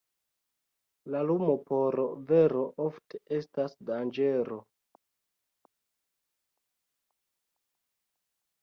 La lumo por vero ofte estas danĝero.